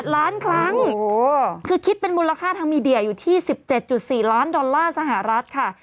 ล้านครั้งคือคิดเป็นมูลค่าทางมีเดียอยู่ที่๑๗๔ล้านดอลลาร์สหรัฐค่ะ